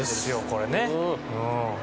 これね。